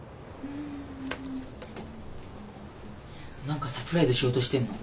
何かサプライズしようとしてんの？